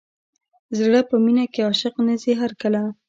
زړه په مینه کې عاشق نه ځي هر کله.